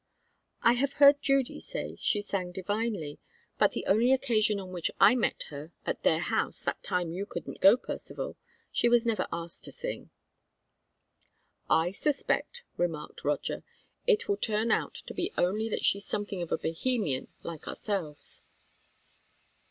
"I have heard Judy say she sang divinely; but the only occasion on which I met her at their house, that time you couldn't go, Percivale she was never asked to sing." "I suspect," remarked Roger, "it will turn out to be only that she's something of a Bohemian, like ourselves."